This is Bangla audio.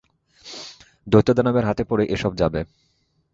দৈত্য-দানবের হাতে পড়ে এ সব যাবে।